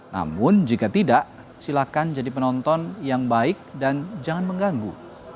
namun jika tidak silakan jadi penonton yang baik dan jangan mengganggu